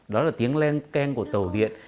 đó là tiếng len keng của tàu điện